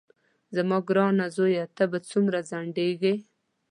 زما ګرانه زویه ته به څومره ځنډېږې.